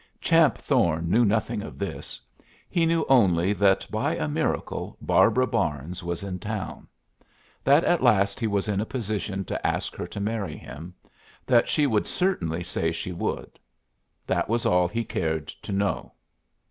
Champ Thorne knew nothing of this; he knew only that by a miracle Barbara Barnes was in town; that at last he was in a position to ask her to marry him; that she would certainly say she would. That was all he cared to know.